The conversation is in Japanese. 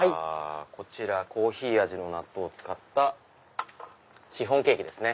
こちらコーヒー味の納豆を使ったシフォンケーキですね。